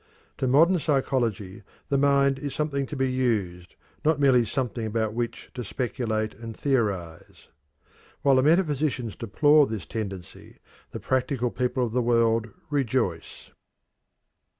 To modern psychology the mind is something to be used, not merely something about which to speculate and theorize. While the metaphysicians deplore this tendency, the practical people of the world rejoice.